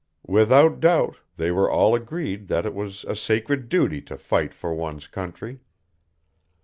Without doubt they were all agreed that it was a sacred duty to fight for one's country.